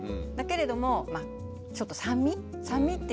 だけれどもちょっと酸味？